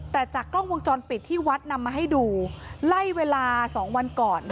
แต่จากกล้องวงจรปิดที่วัดนำมาให้ดูไล่เวลา๒วันก่อน